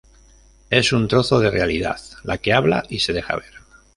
Es un trozo de realidad la que habla y se deja ver.